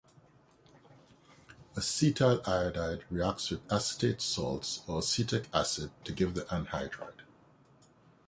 Acetyl iodide reacts with acetate salts or acetic acid to give the anhydride.